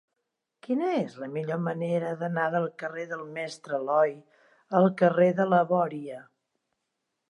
Quina és la millor manera d'anar del carrer del Mestre Aloi al carrer de la Bòria?